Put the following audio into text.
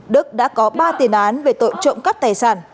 đức đã có ba tiền án về tội trộm cắp tài sản